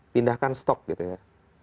pindahkan stok gitu ya